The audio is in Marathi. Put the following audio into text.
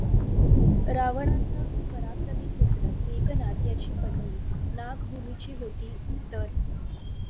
रावणाचा पराक्रमी पुत्र मेघनाद याची पत् नी नागभूमीची होती, तर.